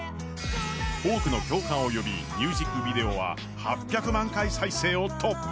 多くの共感を呼び、ミュージックビデオは８００万再生を突破。